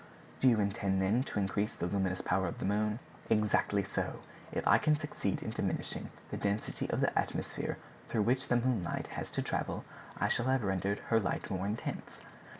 "Do you intend, then, to increase the luminous power of the moon?" "Exactly so. If I can succeed in diminishing the density of the atmosphere through which the moon's light has to travel I shall have rendered her light more intense.